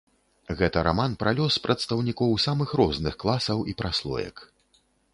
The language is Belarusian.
Гэта раман пра лёс прадстаўнікоў самых розных класаў і праслоек.